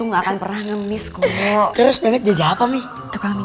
nggak mau ngemis kok terus jajak kami